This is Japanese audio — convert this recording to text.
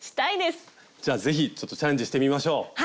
じゃあ是非ちょっとチャレンジしてみましょう。